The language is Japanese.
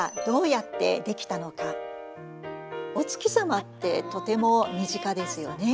お月様ってとても身近ですよね。